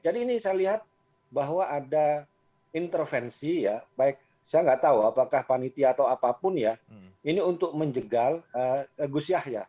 jadi ini saya lihat bahwa ada intervensi ya baik saya nggak tahu apakah paniti atau apapun ya ini untuk menjegal gus yahya